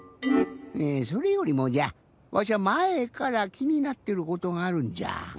それよりもじゃわしゃまえから気になってることがあるんじゃ。